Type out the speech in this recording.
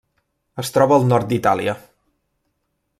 Es troba al nord d'Itàlia.